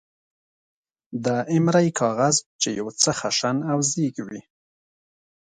د ایمرۍ کاغذ، چې یو څه خشن او زېږ وي.